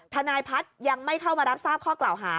ทนายพัฒน์ยังไม่เข้ามารับทราบข้อกล่าวหา